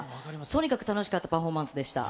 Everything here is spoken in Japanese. とにかく楽しかったパフォーマンスでした。